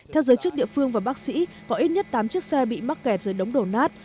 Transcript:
theo giới chức địa phương và bác sĩ có ít nhất tám chiếc xe bị mắc kẹt dưới đống đổ nát